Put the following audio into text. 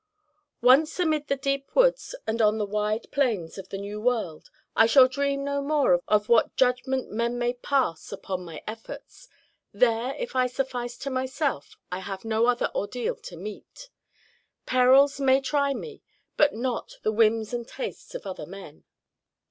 "Once amid the deep woods, and on the wide plains of the New World, I shall dream no more of what judgment men may pass upon my efforts. There, if I suffice to myself, I have no other ordeal to meet. Perils may try me, but not the whims and tastes of other men."